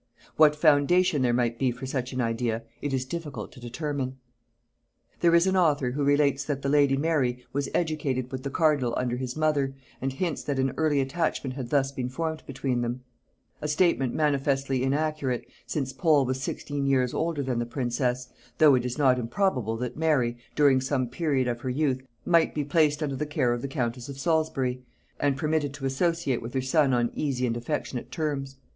What foundation there might be for such an idea it is difficult to determine. There is an author who relates that the lady Mary was educated with the cardinal under his mother, and hints that an early attachment had thus been formed between them: A statement manifestly inaccurate, since Pole was sixteen years older than the princess; though it is not improbable that Mary, during some period of her youth, might be placed under the care of the countess of Salisbury, and permitted to associate with her son on easy and affectionate terms.